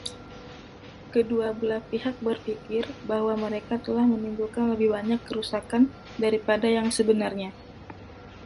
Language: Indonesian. Kedua belah pihak berpikir bahwa mereka telah menimbulkan lebih banyak kerusakan daripada yang sebenarnya.